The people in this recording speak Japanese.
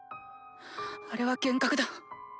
あれは幻覚だ。